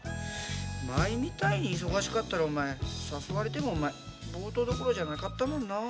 前みたいに忙しかったらお前誘われてもお前ボートどころじゃなかったもんのう。